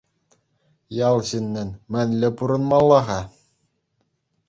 Ял ҫыннин мӗнле пурӑнмалла-ха?